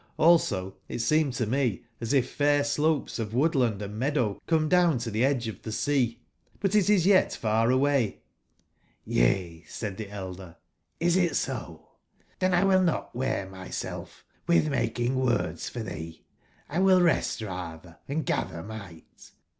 Hlso it seemed to me as if fair slopes of woodland and meadow come down to tbe edge of tbe sea. But it is yet far away "j!?"Yca,*'8aid tbe elder, "is it so ? ^ben will! not wear myself witb making words for tbee. twill rest ratber, and gatber migbt.